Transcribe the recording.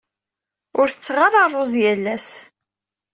Ur tetteɣ ara ṛṛuz yal ass.